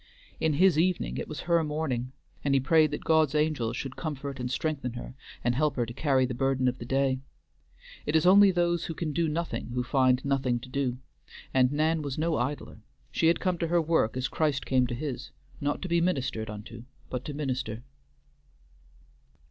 In his evening it was her morning, and he prayed that God's angels should comfort and strengthen her and help her to carry the burden of the day. It is only those who can do nothing who find nothing to do, and Nan was no idler; she had come to her work as Christ came to his, not to be ministered unto but to minister.